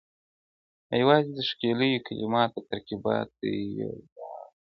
• او یوازي د ښکلیو کلماتو او ترکیبونو یو لاړ وي -